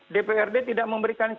dprd tidak memberikan contoh